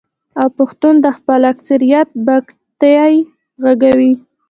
او پښتون د خپل اکثريت بګتۍ ږغوي.